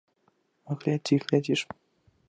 А глядзі, глядзі ж!